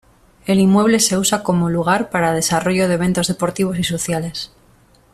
El inmueble se usa como lugar para desarrollo de eventos deportivos y sociales.